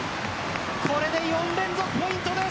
これで４連続ポイントです。